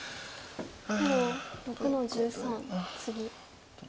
黒６の十三ツギ。